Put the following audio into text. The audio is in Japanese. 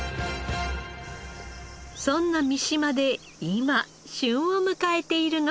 そんな三島で今旬を迎えているのが。